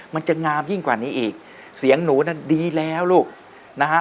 มันจะงามยิ่งกว่านี้อีกเสียงหนูนั่นดีแล้วลูกนะฮะ